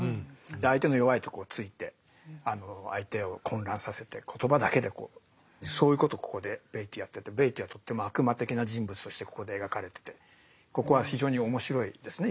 で相手の弱いとこをついて相手を混乱させて言葉だけでこうそういうことをここでベイティーやっててベイティーはとっても悪魔的な人物としてここで描かれててここは非常に面白いですね